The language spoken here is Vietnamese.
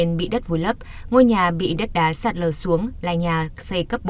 trong khi đất vùi lấp ngôi nhà bị đất đá sạt lở xuống là nhà xây cấp bốn